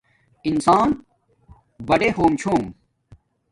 انسان بڑے ہوم چھوم